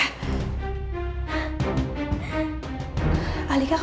tante bakal jadi seorang ibu